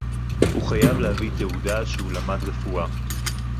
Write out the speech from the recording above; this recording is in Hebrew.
הוא חייב להביא תעודה שהוא למד רפואה